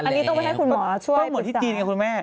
อันนี้ต้องไปให้คุณหมอช่วยต้องเหมือนที่จีนไงคุณแม่